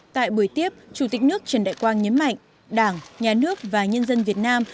tại buổi tiếp chủ tịch nước trần đại quang nhấn mạnh đảng nhà nước và nhân dân việt nam